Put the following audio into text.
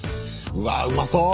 うわうまそう！